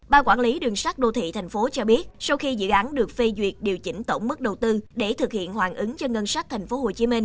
ba quản lý đường sát đô thị tp hcm cho biết sau khi dự án được phê duyệt điều chỉnh tổng mức đầu tư để thực hiện hoàn ứng cho ngân sách tp hcm